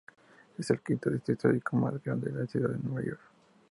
Es el quinto distrito histórico más grande en Ciudad de Nueva York.